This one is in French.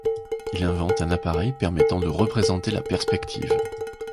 Il invente un appareil permettant de représenter la perspective.